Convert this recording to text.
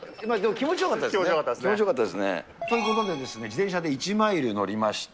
気持ちよかったですね。ということで、自転車で１マイル乗りました。